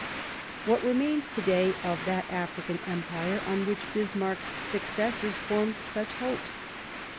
What remains to day of that African Empire on which Bismarck's successors formed such hopes?